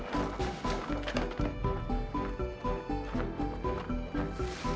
tapi diaart besar tidur gitu